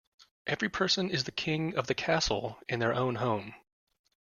Every person is the king of the castle in their own home.